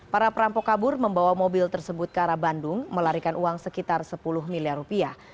para perampok kabur membawa mobil tersebut ke arah bandung melarikan uang sekitar sepuluh miliar rupiah